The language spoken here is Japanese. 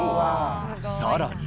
さらに。